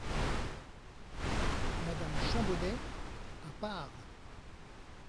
Madame Champbaudet , à part.